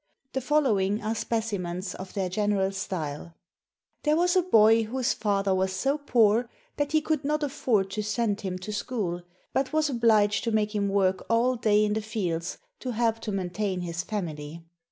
The following are specimens of their general style: "There was a boy whose father was so poor that he could not afiford to send him to school, but was obliged to make him work all day in the fields to help to maintain his family.